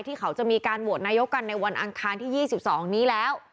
ที่เขาจะมีการโหวตนายกกันในวันอังคารที่๒๒นี้แล้ว